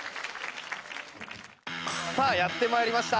さあやってまいりました。